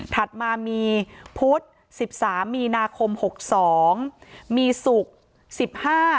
ถัดมามีพุธสิบสามมีนาคมหกสองมีศุกร์สิบห้า